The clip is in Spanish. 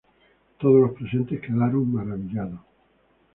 Todos los presentes quedaron maravillados.